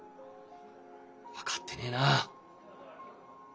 分かってねえなあ。